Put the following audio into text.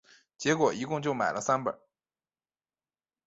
结果就一共买了三本